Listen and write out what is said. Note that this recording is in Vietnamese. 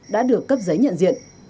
đã được cấp giấy nhận diện